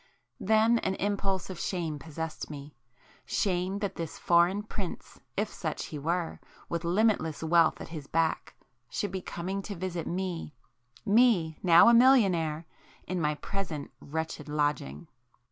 Then an impulse of shame possessed me,—shame that this foreign prince, if such he were, with limitless wealth at his back, should be coming to visit me,—me, now a millionaire,—in my present wretched lodging.